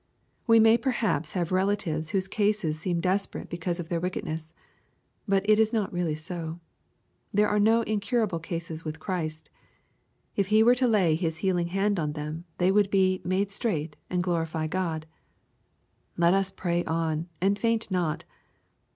We may perhaps huve relatives whose case seems desperate because of their wickedness. But it is not really so. There are no incurable cases with Christ, If He were to lay His healing hand on them, they would be ^*made straight, and glorify God." Let us pray on, and faint not.